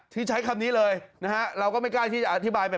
คือใช้คำนี้เลยเราก็ไม่กล้าที่จะอธิบาย